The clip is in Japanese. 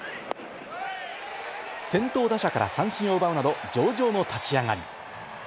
先頭打者から三振を奪うなど上々の立ち上がり。